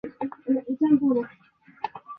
多塞特角是福克斯半岛的最南端。